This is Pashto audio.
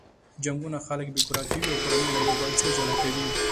جنګونه خلک بې کوره کوي او کورنۍ له یو بل څخه جلا کوي.